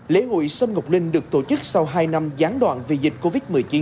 lễ hội sâm ngọc linh được tổ chức sau hai năm gián đoạn vì dịch covid một mươi chín